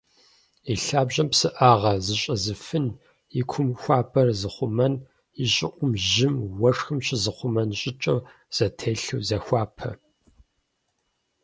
Илъабжьэм псыӏагъэ зыщӏэзыфын, икум хуабэр зыхъумэн, ищӏыӏум жьым, уэшхым щызыхъумэн щӏыкӏэу зэтелъу захуапэ.